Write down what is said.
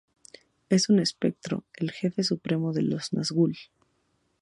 Es un espectro, el jefe supremo de los Nazgûl.